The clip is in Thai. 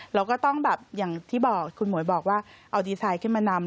เราก็ต้องแบบอย่างที่บอกคุณหมวยบอกว่าเอาดีไซน์ขึ้นมานำ